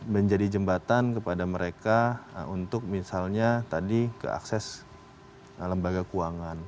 menjadi jembatan kepada mereka untuk misalnya tadi ke akses lembaga keuangan